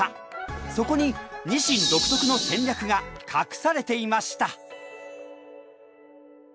そこにニシン独特の戦略が隠されていました！